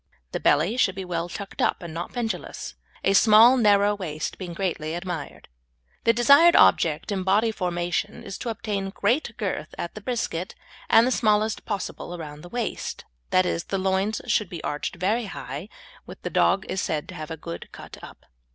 The belly should be well tucked up and not pendulous, a small narrow waist being greatly admired. The desired object in body formation is to obtain great girth at the brisket, and the smallest possible around the waist, that is, the loins should be arched very high, when the dog is said to have a good "cut up."